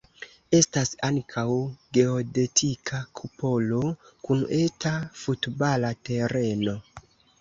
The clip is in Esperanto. Estas ankaŭ geodetika kupolo kun eta futbala tereno.